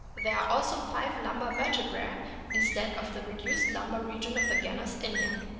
There are also five lumbar vertebrae instead of the reduced lumbar region of the genus Inia.